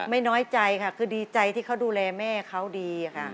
น้อยใจค่ะคือดีใจที่เขาดูแลแม่เขาดีค่ะ